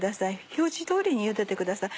表示通りにゆでてください。